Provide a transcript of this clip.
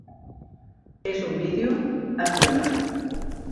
És un vídeo efímer.